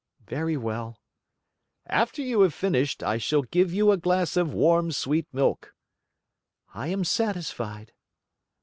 "Very well." "After you have finished, I shall give you a glass of warm sweet milk." "I am satisfied."